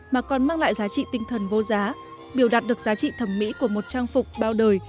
mà còn mang lại giá trị tinh thần vô giá biểu đạt được giá trị thẩm mỹ của một trang phục bao đời